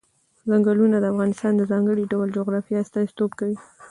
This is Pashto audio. ځنګلونه د افغانستان د ځانګړي ډول جغرافیه استازیتوب کوي.